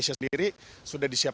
ya terima kasih